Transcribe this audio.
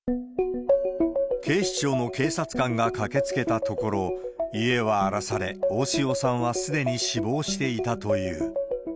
警視庁の警察官が駆け付けたところ、家は荒らされ、大塩さんはすでに死亡していたという。